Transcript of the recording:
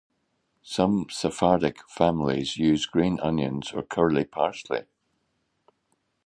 Some Sephardic families use green onions or curly parsley.